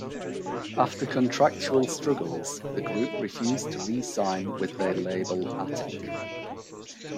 After contractual struggles, the group refused to re-sign with their label Attic.